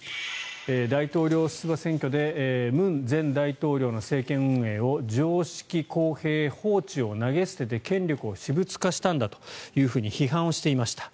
大統領出馬選挙で文前大統領の政権運営を常識、公平、法治を投げ捨てて権力を私物化したんだと批判していました。